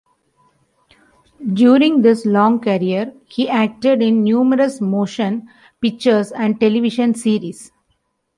During his long career, he acted in numerous motion pictures and television series.